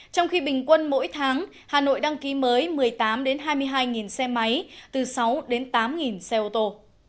trong khi bình quân mỗi tháng hà nội đăng ký mới một mươi tám hai mươi hai xe máy từ sáu đến tám xe ô tô